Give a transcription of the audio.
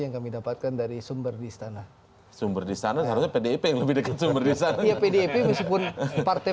yang kami dapatkan dari sumber di istana sumber di sana lebih dekat sumber di pdi musibun partai